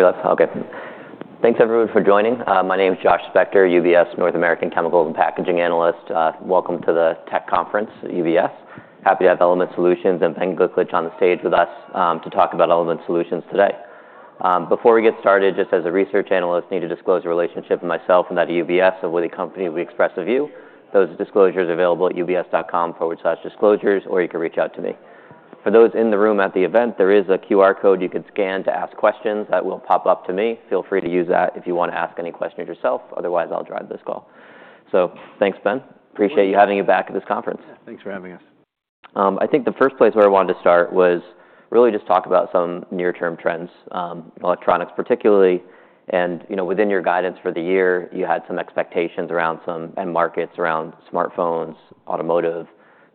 With us. I'll get—thanks everyone for joining. My name is Josh Spector, UBS North American Chemicals and Packaging Analyst. Welcome to the Tech Conference, UBS. Happy to have Element Solutions and Ben Gliklich on the stage with us to talk about Element Solutions today. Before we get started, just as a research analyst, I need to disclose a relationship of myself and that of UBS, and with the company we express a view. Those disclosures are available at ubs.com/disclosures, or you can reach out to me. For those in the room at the event, there is a QR code you can scan to ask questions that will pop up to me. Feel free to use that if you want to ask any questions yourself. Otherwise, I'll drive this call. Thanks, Ben. Appreciate you having me back at this conference. Yeah, thanks for having us. I think the first place where I wanted to start was really just talk about some near-term trends, electronics particularly. Within your guidance for the year, you had some expectations around some markets around smartphones, automotive,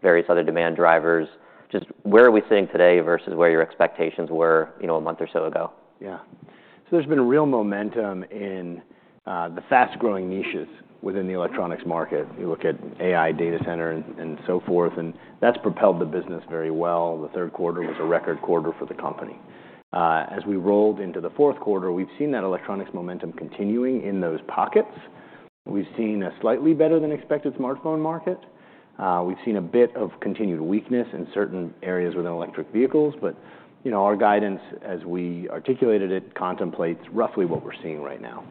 various other demand drivers. Just where are we sitting today versus where your expectations were a month or so ago? Yeah. There's been real momentum in the fast-growing niches within the electronics market. You look at AI, data center, and so forth, and that's propelled the business very well. The third quarter was a record quarter for the company. As we rolled into the fourth quarter, we've seen that electronics momentum continuing in those pockets. We've seen a slightly better-than-expected smartphone market. We've seen a bit of continued weakness in certain areas within electric vehicles. Our guidance, as we articulated it, contemplates roughly what we're seeing right now.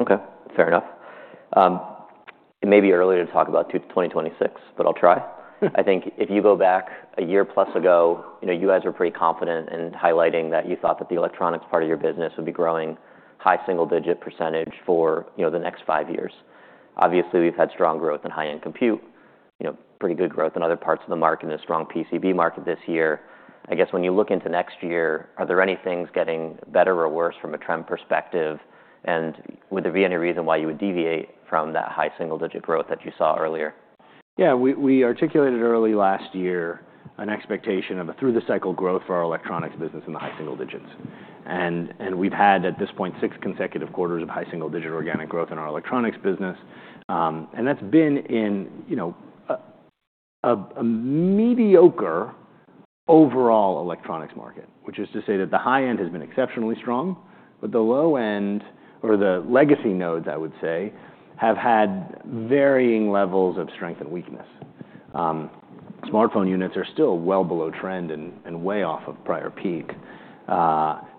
Okay. Fair enough. It may be early to talk about 2026, but I'll try. I think if you go back a year-plus ago, you guys were pretty confident in highlighting that you thought that the electronics part of your business would be growing high single-digit % for the next five years. Obviously, we've had strong growth in high-end compute, pretty good growth in other parts of the market, and a strong PCB market this year. I guess when you look into next year, are there any things getting better or worse from a trend perspective? Would there be any reason why you would deviate from that high single-digit growth that you saw earlier? Yeah. We articulated early last year an expectation of a through-the-cycle growth for our electronics business in the high single digits. We've had, at this point, six consecutive quarters of high single-digit organic growth in our electronics business. That's been in a mediocre overall electronics market, which is to say that the high end has been exceptionally strong, but the low end, or the legacy nodes, I would say, have had varying levels of strength and weakness. Smartphone units are still well below trend and way off of prior peak.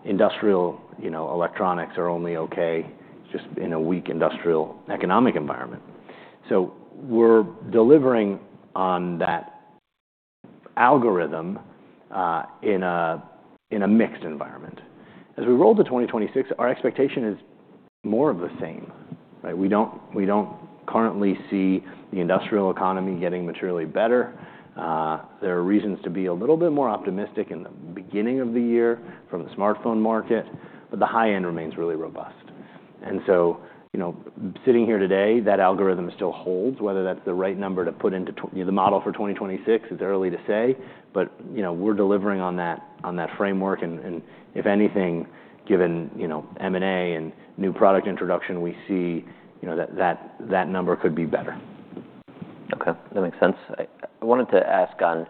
Industrial electronics are only okay just in a weak industrial economic environment. We're delivering on that algorithm in a mixed environment. As we roll to 2026, our expectation is more of the same. We don't currently see the industrial economy getting materially better. There are reasons to be a little bit more optimistic in the beginning of the year from the smartphone market, but the high end remains really robust. Sitting here today, that algorithm still holds, whether that's the right number to put into the model for 2026 is early to say, but we're delivering on that framework. If anything, given M&A and new product introduction, we see that number could be better. Okay. That makes sense. I wanted to ask on,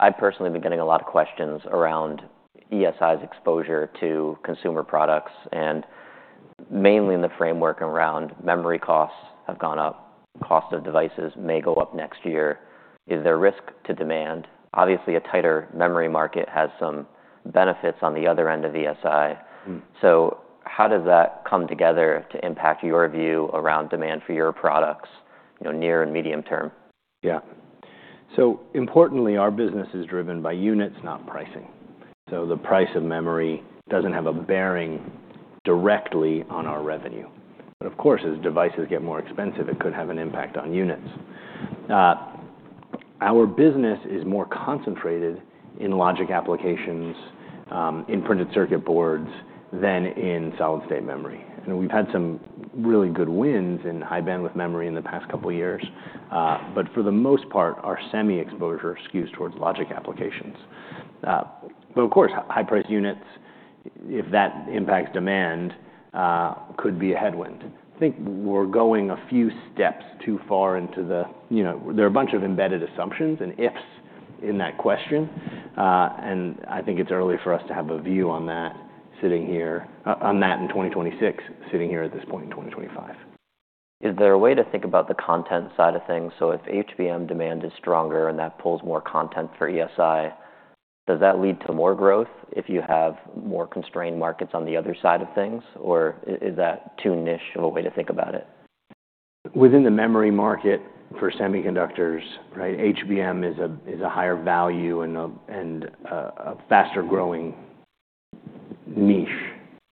I've personally been getting a lot of questions around ESI's exposure to consumer products, and mainly in the framework around memory costs have gone up. Cost of devices may go up next year. Is there risk to demand? Obviously, a tighter memory market has some benefits on the other end of ESI. How does that come together to impact your view around demand for your products near and medium term? Yeah. Importantly, our business is driven by units, not pricing. The price of memory does not have a bearing directly on our revenue. Of course, as devices get more expensive, it could have an impact on units. Our business is more concentrated in logic applications, in printed circuit boards, than in solid-state memory. We have had some really good wins in high bandwidth memory in the past couple of years. For the most part, our semi-exposure skews towards logic applications. Of course, high-priced units, if that impacts demand, could be a headwind. I think we are going a few steps too far into the there are a bunch of embedded assumptions and ifs in that question. I think it is early for us to have a view on that in 2026, sitting here at this point in 2025. Is there a way to think about the content side of things? If HBM demand is stronger and that pulls more content for ESI, does that lead to more growth if you have more constrained markets on the other side of things? Is that too niche of a way to think about it? Within the memory market for semiconductors, HBM is a higher value and a faster-growing niche.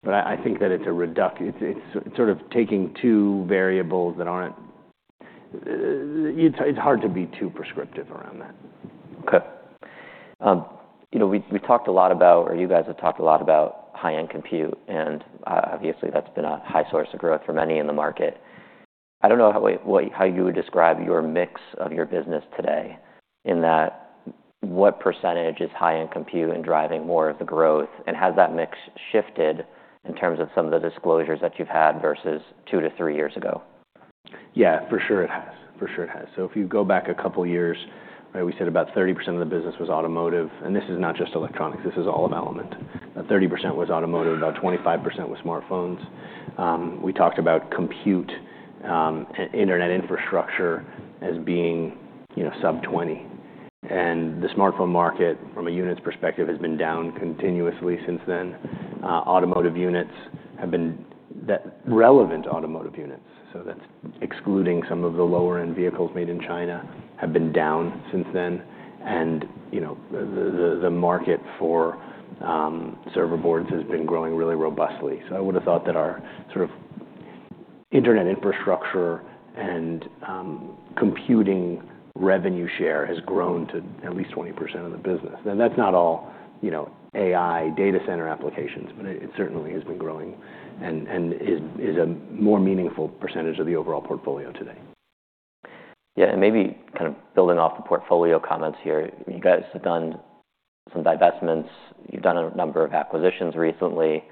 I think that it's a reduction; it's sort of taking two variables that aren't—it's hard to be too prescriptive around that. Okay. We talked a lot about, or you guys have talked a lot about high-end compute, and obviously, that's been a high source of growth for many in the market. I don't know how you would describe your mix of your business today in that what percentage is high-end compute and driving more of the growth? Has that mix shifted in terms of some of the disclosures that you've had versus two to three years ago? Yeah, for sure it has. For sure it has. If you go back a couple of years, we said about 30% of the business was automotive. This is not just electronics. This is all of Element. 30% was automotive, about 25% was smartphones. We talked about compute and internet infrastructure as being sub-20%. The smartphone market, from a units perspective, has been down continuously since then. Automotive units have been relevant automotive units, so that's excluding some of the lower-end vehicles made in China, have been down since then. The market for server boards has been growing really robustly. I would have thought that our sort of internet infrastructure and computing revenue share has grown to at least 20% of the business. Now, that's not all AI data center applications, but it certainly has been growing and is a more meaningful percentage of the overall portfolio today. Yeah. Maybe kind of building off the portfolio comments here, you guys have done some divestments. You've done a number of acquisitions recently.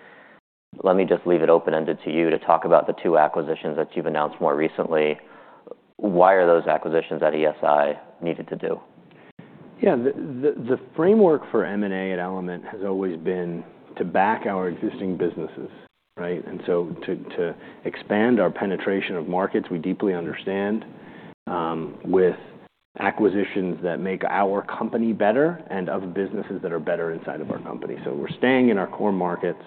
Let me just leave it open-ended to you to talk about the two acquisitions that you've announced more recently. Why are those acquisitions at ESI needed to do? Yeah. The framework for M&A at Element has always been to back our existing businesses. To expand our penetration of markets, we deeply understand with acquisitions that make our company better and of businesses that are better inside of our company. We're staying in our core markets.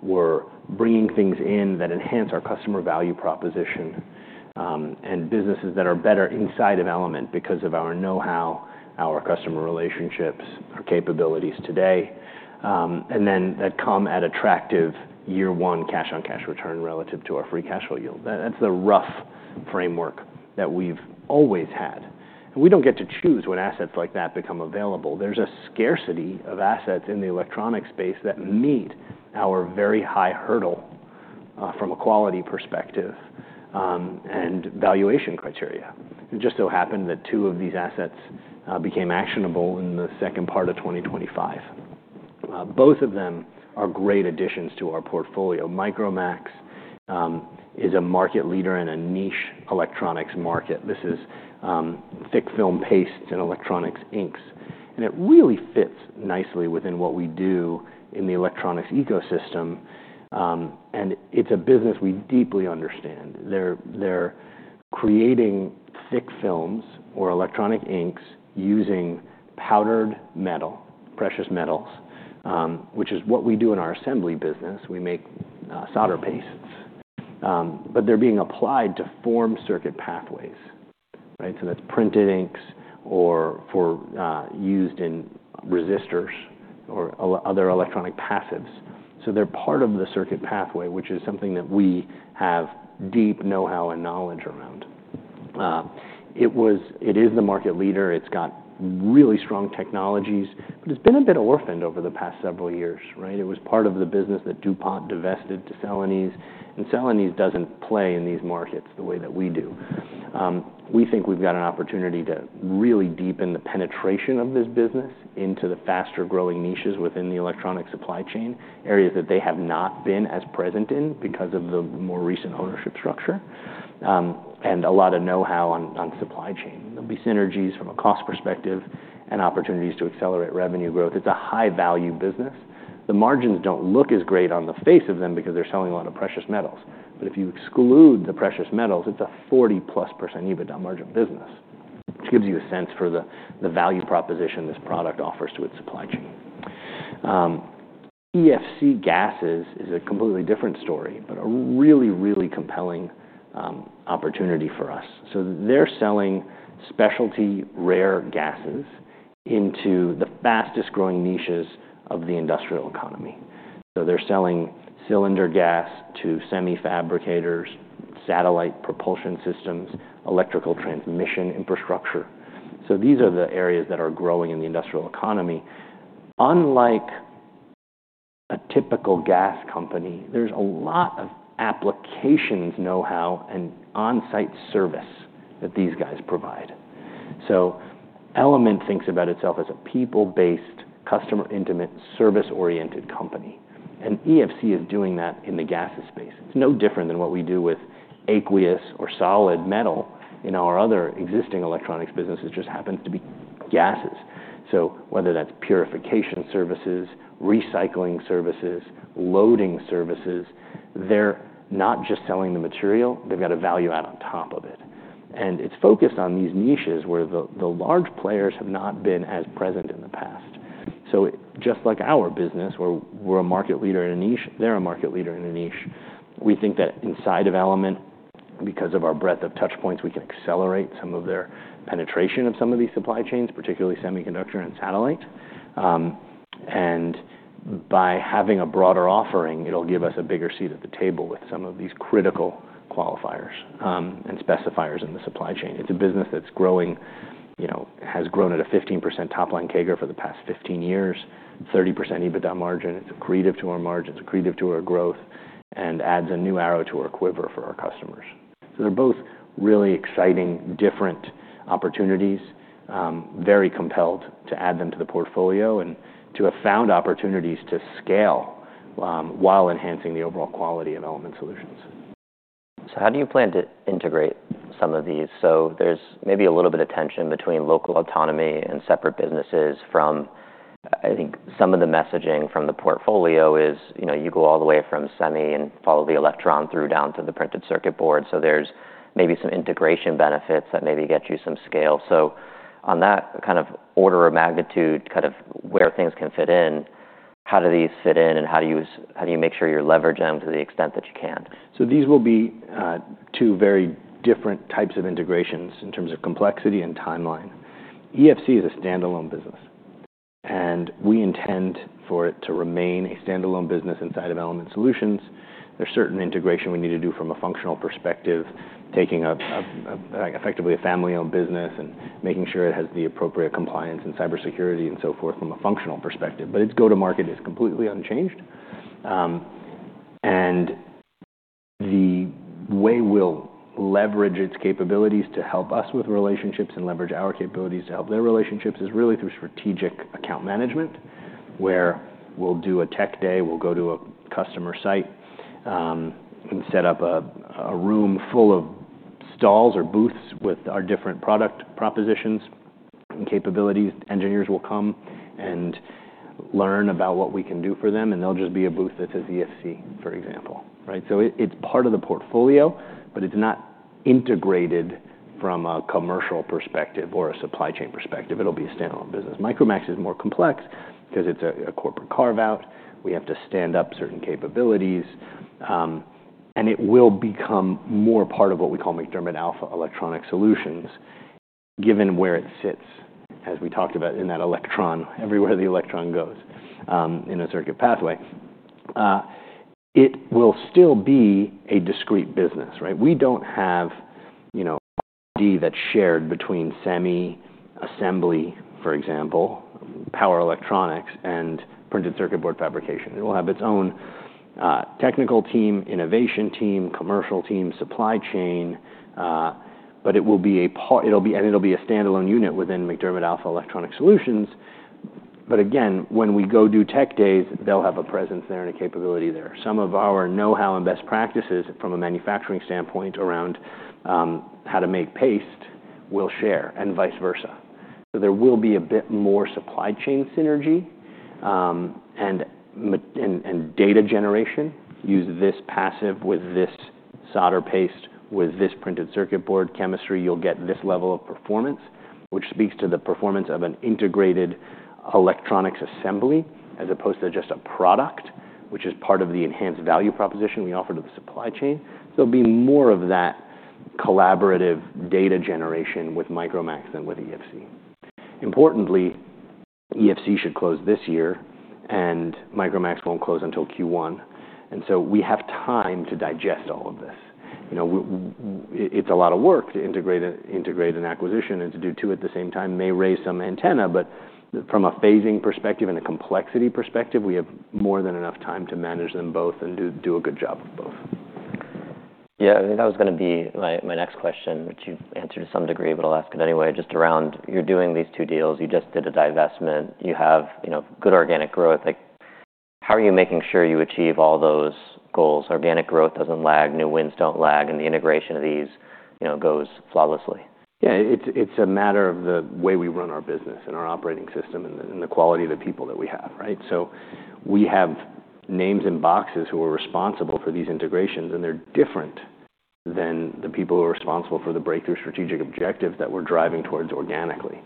We're bringing things in that enhance our customer value proposition and businesses that are better inside of Element because of our know-how, our customer relationships, our capabilities today, and that come at attractive year-one cash-on-cash return relative to our free cash flow yield. That's the rough framework that we've always had. We don't get to choose when assets like that become available. There's a scarcity of assets in the electronics space that meet our very high hurdle from a quality perspective and valuation criteria. It just so happened that two of these assets became actionable in the second part of 2025. Both of them are great additions to our portfolio. Micromax is a market leader in a niche electronics market. This is thick film paste and electronics inks. It really fits nicely within what we do in the electronics ecosystem. It is a business we deeply understand. They are creating thick films or electronic inks using powdered metal, precious metals, which is what we do in our assembly business. We make solder paste. They are being applied to form circuit pathways. That is printed inks or used in resistors or other electronic passives. They are part of the circuit pathway, which is something that we have deep know-how and knowledge around. It is the market leader. It has really strong technologies, but it has been a bit orphaned over the past several years. It was part of the business that DuPont divested to Celanese. Celanese does not play in these markets the way that we do. We think we have got an opportunity to really deepen the penetration of this business into the faster-growing niches within the electronics supply chain, areas that they have not been as present in because of the more recent ownership structure and a lot of know-how on supply chain. There will be synergies from a cost perspective and opportunities to accelerate revenue growth. It is a high-value business. The margins do not look as great on the face of them because they are selling a lot of precious metals. If you exclude the precious metals, it is a 40+% EBITDA margin business, which gives you a sense for the value proposition this product offers to its supply chain. & Advanced Materials is a completely different story, but a really, really compelling opportunity for us. They're selling specialty rare gases into the fastest-growing niches of the industrial economy. They're selling cylinder gas to semi-fabricators, satellite propulsion systems, electrical transmission infrastructure. These are the areas that are growing in the industrial economy. Unlike a typical gas company, there's a lot of applications know-how and on-site service that these guys provide. Element Solutions thinks about itself as a people-based, customer-intimate, service-oriented company. EFC is doing that in the gases space. It's no different than what we do with aqueous or solid metal in our other existing electronics business. It just happens to be gases. Whether that's purification services, recycling services, loading services, they're not just selling the material. They've got a value add on top of it. It is focused on these niches where the large players have not been as present in the past. Just like our business, where we are a market leader in a niche, they are a market leader in a niche. We think that inside of Element, because of our breadth of touchpoints, we can accelerate some of their penetration of some of these supply chains, particularly semiconductor and satellite. By having a broader offering, it will give us a bigger seat at the table with some of these critical qualifiers and specifiers in the supply chain. It is a business that is growing, has grown at a 15% top-line CAGR for the past 15 years, 30% EBITDA margin. It is accretive to our margins, accretive to our growth, and adds a new arrow to our quiver for our customers. They are both really exciting, different opportunities, very compelled to add them to the portfolio and to have found opportunities to scale while enhancing the overall quality of Element Solutions. How do you plan to integrate some of these? There is maybe a little bit of tension between local autonomy and separate businesses from, I think, some of the messaging from the portfolio as you go all the way from semi and follow the electron through down to the printed circuit board. There are maybe some integration benefits that maybe get you some scale. On that kind of order of magnitude, kind of where things can fit in, how do these fit in, and how do you make sure you're leveraging them to the extent that you can? These will be two very different types of integrations in terms of complexity and timeline. EFC is a standalone business. We intend for it to remain a standalone business inside of Element Solutions. There is certain integration we need to do from a functional perspective, taking effectively a family-owned business and making sure it has the appropriate compliance and cybersecurity and so forth from a functional perspective. Its go-to-market is completely unchanged. The way we will leverage its capabilities to help us with relationships and leverage our capabilities to help their relationships is really through strategic account management, where we will do a tech day. We will go to a customer site and set up a room full of stalls or booths with our different product propositions and capabilities. Engineers will come and learn about what we can do for them, and there will just be a booth that says EFC, for example. It is part of the portfolio, but it is not integrated from a commercial perspective or a supply chain perspective. It will be a standalone business. Micromax is more complex because it is a corporate carve-out. We have to stand up certain capabilities. It will become more part of what we call MacDermid Alpha Electronics Solutions, given where it sits, as we talked about in that electron, everywhere the electron goes in a circuit pathway. It will still be a discrete business. We do not have an ID that is shared between semi-assembly, for example, power electronics and printed circuit board fabrication. It will have its own technical team, innovation team, commercial team, supply chain. It will be a part, and it'll be a standalone unit within MacDermid Alpha Electronics Solutions. When we go do tech days, they'll have a presence there and a capability there. Some of our know-how and best practices from a manufacturing standpoint around how to make paste will share and vice versa. There will be a bit more supply chain synergy and data generation. Use this passive with this solder paste with this printed circuit board chemistry. You'll get this level of performance, which speaks to the performance of an integrated electronics assembly as opposed to just a product, which is part of the enhanced value proposition we offer to the supply chain. There'll be more of that collaborative data generation with Micromax than with EFC. Importantly, EFC should close this year, and Micromax won't close until Q1. We have time to digest all of this. It's a lot of work to integrate an acquisition and to do two at the same time may raise some antenna. From a phasing perspective and a complexity perspective, we have more than enough time to manage them both and do a good job of both. Yeah. I think that was going to be my next question, which you answered to some degree, but I'll ask it anyway, just around you're doing these two deals. You just did a divestment. You have good organic growth. How are you making sure you achieve all those goals? Organic growth doesn't lag. New wins don't lag. And the integration of these goes flawlessly. Yeah. It's a matter of the way we run our business and our operating system and the quality of the people that we have. We have names in boxes who are responsible for these integrations, and they're different than the people who are responsible for the breakthrough strategic objective that we're driving towards organically.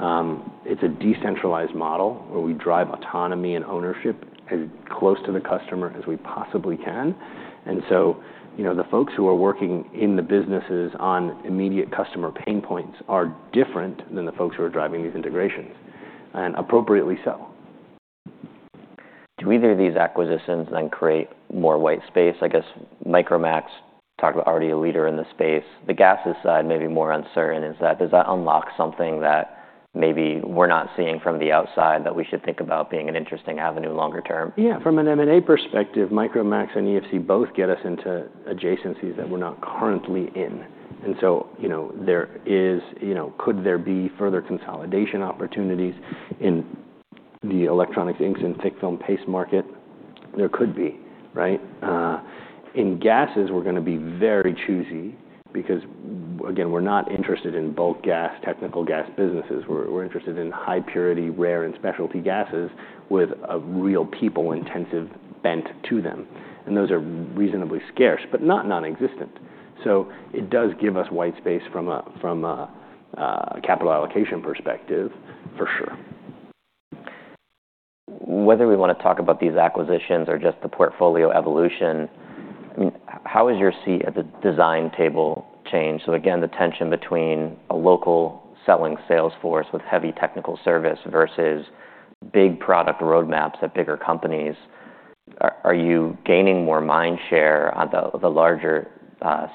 It's a decentralized model where we drive autonomy and ownership as close to the customer as we possibly can. The folks who are working in the businesses on immediate customer pain points are different than the folks who are driving these integrations, and appropriately so. Do either of these acquisitions then create more white space? I guess Micromax, talked about already a leader in the space. The gases side, maybe more uncertain. Does that unlock something that maybe we're not seeing from the outside that we should think about being an interesting avenue longer term? Yeah. From an M&A perspective, Micromax and EFC both get us into adjacencies that we're not currently in. There is, could there be further consolidation opportunities in the electronics inks and thick film paste market? There could be. In gases, we're going to be very choosy because, again, we're not interested in bulk gas, technical gas businesses. We're interested in high purity, rare, and specialty gases with a real people-intensive bent to them. Those are reasonably scarce, but not nonexistent. It does give us white space from a capital allocation perspective, for sure. Whether we want to talk about these acquisitions or just the portfolio evolution, how has your seat at the design table changed? Again, the tension between a local selling salesforce with heavy technical service versus big product roadmaps at bigger companies, are you gaining more mind share on the larger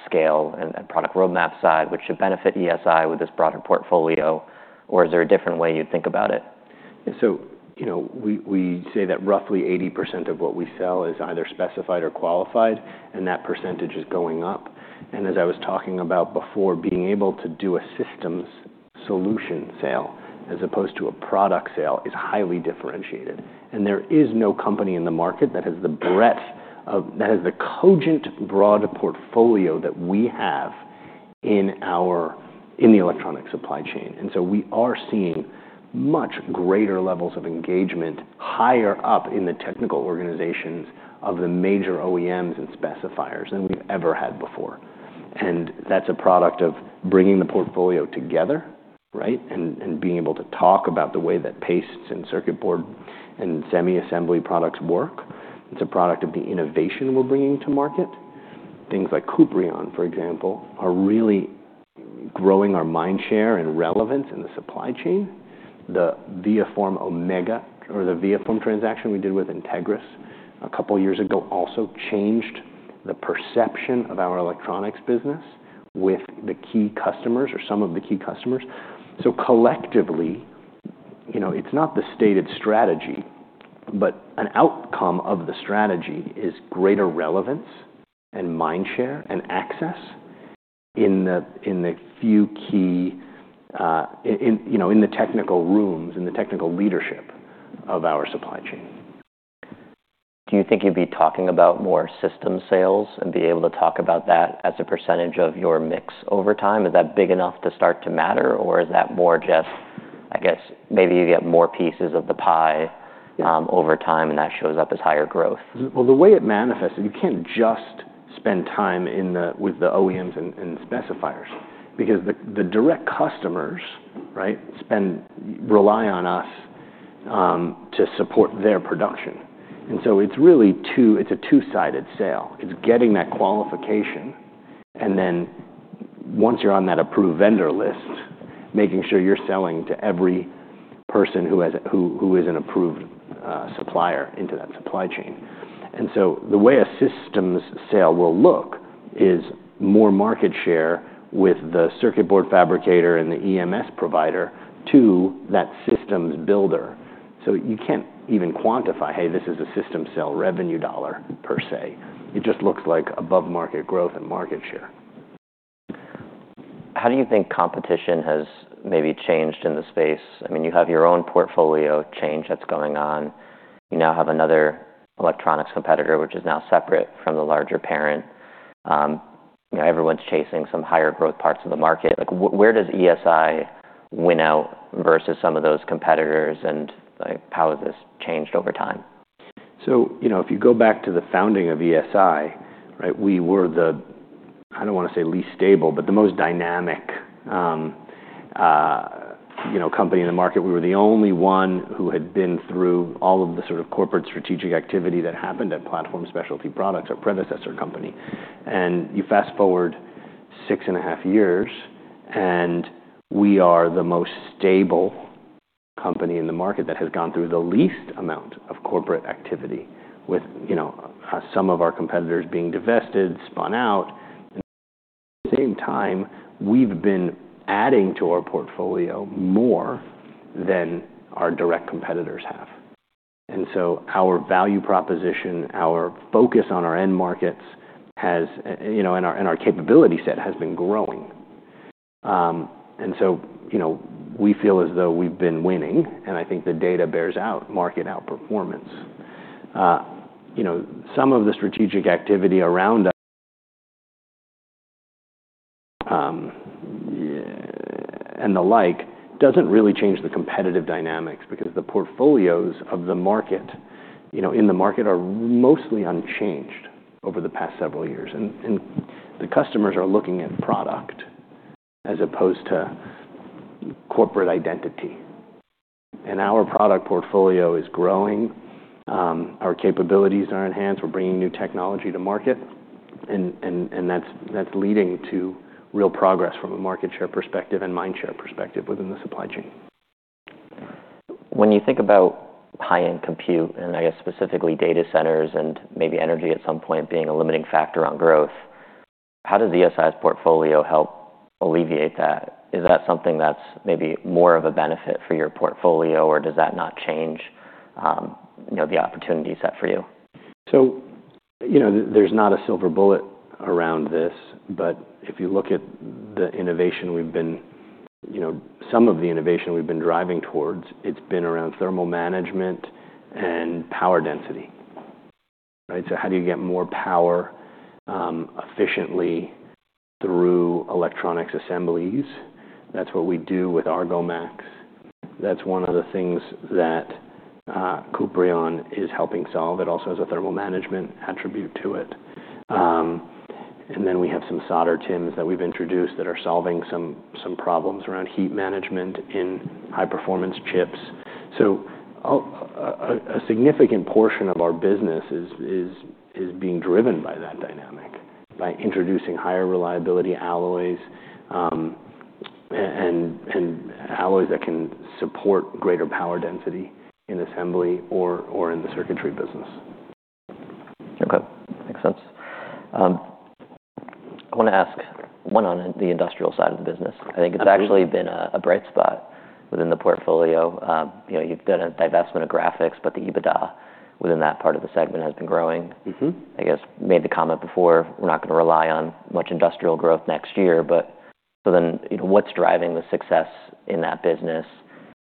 scale and product roadmap side, which should benefit ESI with this broader portfolio, or is there a different way you'd think about it? We say that roughly 80% of what we sell is either specified or qualified, and that percentage is going up. As I was talking about before, being able to do a systems solution sale as opposed to a product sale is highly differentiated. There is no company in the market that has the breadth of, that has the cogent broad portfolio that we have in the electronics supply chain. We are seeing much greater levels of engagement higher up in the technical organizations of the major OEMs and specifiers than we've ever had before. That's a product of bringing the portfolio together and being able to talk about the way that pastes and circuit board and semi-assembly products work. It's a product of the innovation we're bringing to market. Things like Kuprion, for example, are really growing our mind share and relevance in the supply chain. The ViaForm Omega or the ViaForm transaction we did with Entegris a couple of years ago also changed the perception of our electronics business with the key customers or some of the key customers. Collectively, it's not the stated strategy, but an outcome of the strategy is greater relevance and mind share and access in the few key, in the technical rooms, in the technical leadership of our supply chain. Do you think you'd be talking about more system sales and be able to talk about that as a percentage of your mix over time? Is that big enough to start to matter, or is that more just, I guess, maybe you get more pieces of the pie over time, and that shows up as higher growth? The way it manifests, you can't just spend time with the OEMs and specifiers because the direct customers rely on us to support their production. It is a two-sided sale. It is getting that qualification, and then once you're on that approved vendor list, making sure you're selling to every person who is an approved supplier into that supply chain. The way a systems sale will look is more market share with the circuit board fabricator and the EMS provider to that systems builder. You can't even quantify, "Hey, this is a system sale revenue dollar," per se. It just looks like above-market growth and market share. How do you think competition has maybe changed in the space? I mean, you have your own portfolio change that's going on. You now have another electronics competitor, which is now separate from the larger parent. Everyone's chasing some higher growth parts of the market. Where does ESI win out versus some of those competitors, and how has this changed over time? If you go back to the founding of ESI, we were the, I don't want to say least stable, but the most dynamic company in the market. We were the only one who had been through all of the sort of corporate strategic activity that happened at Platform Specialty Products, our predecessor company. You fast forward six and a half years, and we are the most stable company in the market that has gone through the least amount of corporate activity, with some of our competitors being divested, spun out. At the same time, we've been adding to our portfolio more than our direct competitors have. Our value proposition, our focus on our end markets, and our capability set has been growing. We feel as though we've been winning, and I think the data bears out market outperformance. Some of the strategic activity around and the like does not really change the competitive dynamics because the portfolios of the market in the market are mostly unchanged over the past several years. The customers are looking at product as opposed to corporate identity. Our product portfolio is growing. Our capabilities are enhanced. We are bringing new technology to market. That is leading to real progress from a market share perspective and mind share perspective within the supply chain. When you think about high-end compute and, I guess, specifically data centers and maybe energy at some point being a limiting factor on growth, how does ESI's portfolio help alleviate that? Is that something that's maybe more of a benefit for your portfolio, or does that not change the opportunity set for you? There is not a silver bullet around this, but if you look at the innovation we've been, some of the innovation we've been driving towards, it's been around thermal management and power density. How do you get more power efficiently through electronics assemblies? That is what we do with Argomax. That is one of the things that Kuprion is helping solve. It also has a thermal management attribute to it. We have some solder TIMs that we've introduced that are solving some problems around heat management in high-performance chips. A significant portion of our business is being driven by that dynamic, by introducing higher reliability alloys and alloys that can support greater power density in assembly or in the circuitry business. Okay. Makes sense. I want to ask one on the industrial side of the business. I think it's actually been a bright spot within the portfolio. You've done a divestment of graphics, but the EBITDA within that part of the segment has been growing. I guess made the comment before, we're not going to rely on much industrial growth next year, but what is driving the success in that business?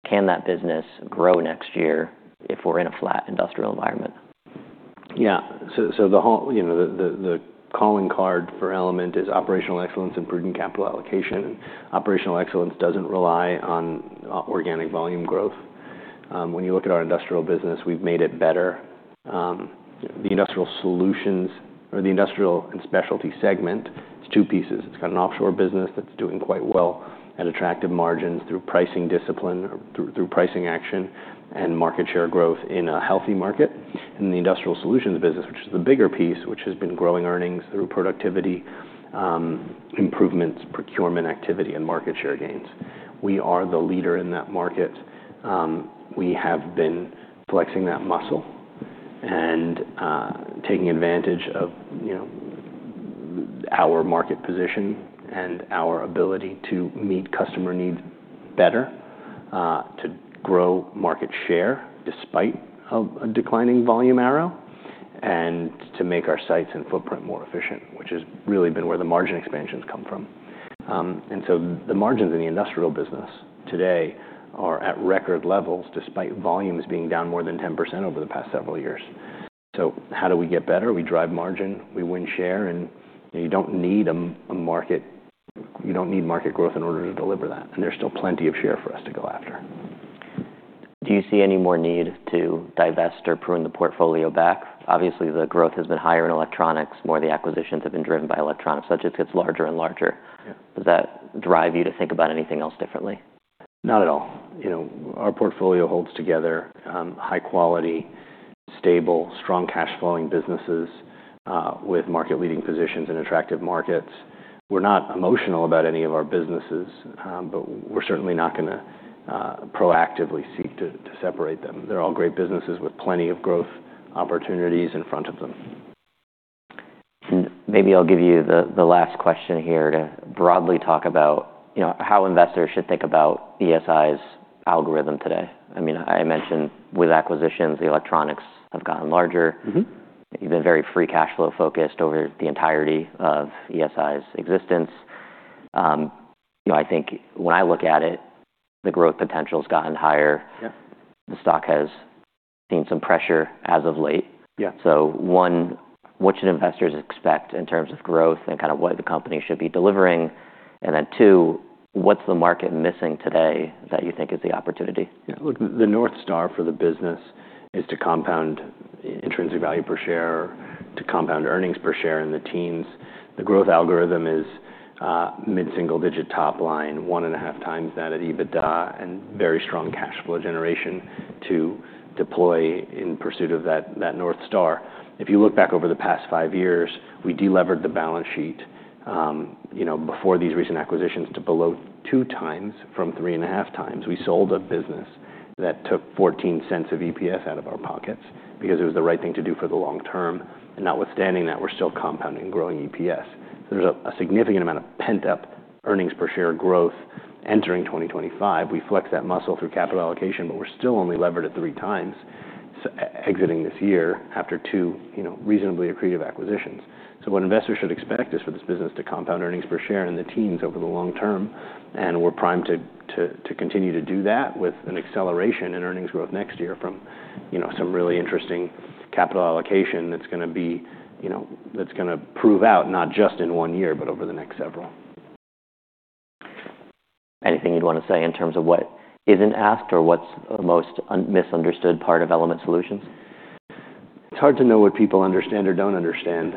Can that business grow next year if we're in a flat industrial environment? Yeah. The calling card for Element is operational excellence and prudent capital allocation. Operational excellence does not rely on organic volume growth. When you look at our industrial business, we have made it better. The industrial solutions or the industrial and specialty segment, it is two pieces. It has an offshore business that is doing quite well at attractive margins through pricing discipline or through pricing action and market share growth in a healthy market. The industrial solutions business, which is the bigger piece, has been growing earnings through productivity, improvements, procurement activity, and market share gains. We are the leader in that market. We have been flexing that muscle and taking advantage of our market position and our ability to meet customer needs better, to grow market share despite a declining volume arrow, and to make our sites and footprint more efficient, which has really been where the margin expansions come from. The margins in the industrial business today are at record levels despite volumes being down more than 10% over the past several years. How do we get better? We drive margin. We win share. You do not need market growth in order to deliver that. There is still plenty of share for us to go after. Do you see any more need to divest or prune the portfolio back? Obviously, the growth has been higher in electronics. More of the acquisitions have been driven by electronics. That just gets larger and larger. Does that drive you to think about anything else differently? Not at all. Our portfolio holds together high-quality, stable, strong cash-flowing businesses with market-leading positions in attractive markets. We're not emotional about any of our businesses, but we're certainly not going to proactively seek to separate them. They're all great businesses with plenty of growth opportunities in front of them. Maybe I'll give you the last question here to broadly talk about how investors should think about ESI's algorithm today. I mean, I mentioned with acquisitions, the electronics have gotten larger. You've been very free cash flow focused over the entirety of ESI's existence. I think when I look at it, the growth potential has gotten higher. The stock has seen some pressure as of late. One, what should investors expect in terms of growth and kind of what the company should be delivering? Two, what's the market missing today that you think is the opportunity? Yeah. Look, the North Star for the business is to compound intrinsic value per share, to compound earnings per share in the teens. The growth algorithm is mid-single-digit top line, one and a half times that at EBITDA, and very strong cash flow generation to deploy in pursuit of that North Star. If you look back over the past five years, we delevered the balance sheet before these recent acquisitions to below two times from three and a half times. We sold a business that took $0.14 of EPS out of our pockets because it was the right thing to do for the long term. Notwithstanding that, we're still compounding and growing EPS. There's a significant amount of pent-up earnings per share growth entering 2025. We flex that muscle through capital allocation, but we're still only levered at three times exiting this year after two reasonably accretive acquisitions. What investors should expect is for this business to compound earnings per share in the teens over the long term. We're primed to continue to do that with an acceleration in earnings growth next year from some really interesting capital allocation that's going to prove out not just in one year, but over the next several. Anything you'd want to say in terms of what isn't asked or what's the most misunderstood part of Element Solutions? It's hard to know what people understand or don't understand.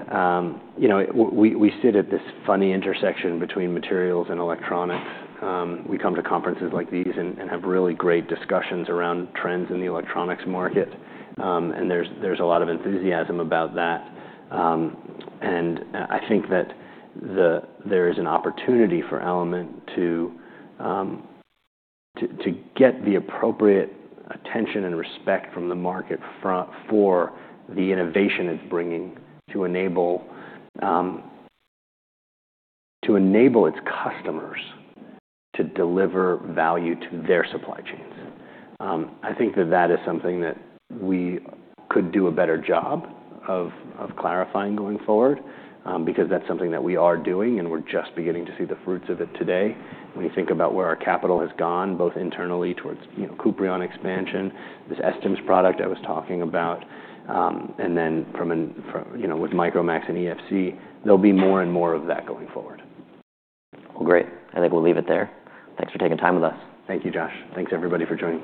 We sit at this funny intersection between materials and electronics. We come to conferences like these and have really great discussions around trends in the electronics market. There's a lot of enthusiasm about that. I think that there is an opportunity for Element to get the appropriate attention and respect from the market for the innovation it's bringing to enable its customers to deliver value to their supply chains. I think that that is something that we could do a better job of clarifying going forward because that's something that we are doing, and we're just beginning to see the fruits of it today. When you think about where our capital has gone, both internally towards Kuprion expansion, this S-TIMs product I was talking about, and then from with Micromax and EFC, there will be more and more of that going forward. Great. I think we'll leave it there. Thanks for taking time with us. Thank you, Josh. Thanks, everybody, for joining.